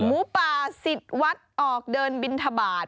หมูป่าสิดวัออกเดินบิณฑบาตร